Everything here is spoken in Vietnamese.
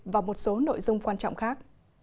và một số nội dung quan trọng khác